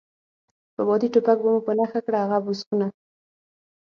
په بادي ټوپک به مو په نښه کړه، هغه بوس خونه.